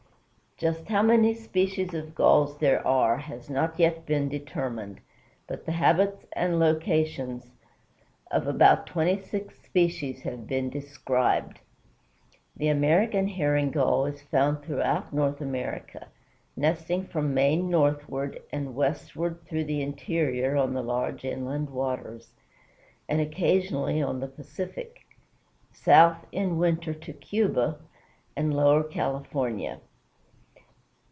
Just how many species of Gulls there are has not yet been determined, but the habits and locations of about twenty six species have been described. The American Herring Gull is found throughout North America, nesting from Maine northward, and westward throughout the interior on the large inland waters, and occasionally on the Pacific; south in the winter to Cuba and lower California.